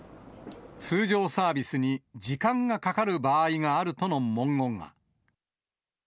通常サービスに時間がかかる場合があるとの文言が。